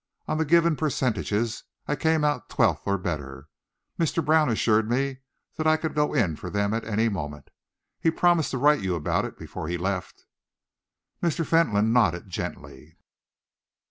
"On the given percentages I came out twelfth or better. Mr. Brown assured me that I could go in for them at any moment. He promised to write you about it before he left." Mr. Fentolin nodded gently.